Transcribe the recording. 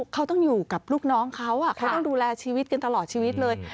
เขาต้องอยู่กับลูกน้องเขาเขาต้องดูแลชีวิตกันตลอดชีวิตเลย